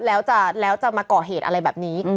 แล้วจะมาก่อเหตุอะไรแบบนี้